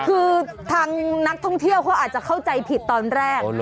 คือทางนักท่องเที่ยวเขาอาจจะเข้าใจผิดตอนแรก